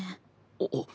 あっ。